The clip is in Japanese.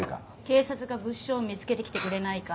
警察が物証を見つけてきてくれないから。